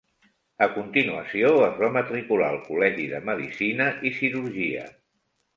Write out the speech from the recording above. A continuació, es va matricular al Col·legi de Medicina i Cirurgia.